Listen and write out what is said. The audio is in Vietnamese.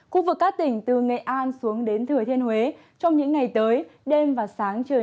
khu vực các tỉnh từ nghệ an xuống đến thừa thiên huế trong những ngày tới đêm và sáng trời